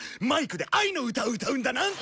マイクで愛の歌を歌うんだな。